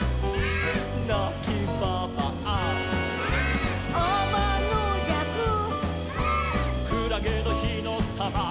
「なきばばあ」「」「あまのじゃく」「」「くらげのひのたま」「」